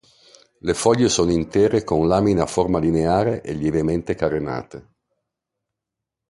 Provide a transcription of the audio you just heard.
Le foglie sono intere con lamina a forma lineare e lievemente carenate.